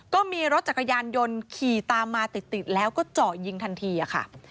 ก็มีรถจักรยานยนต์ขี่ตามมาติดแล้วก็เจาะยิงทันทีค่ะ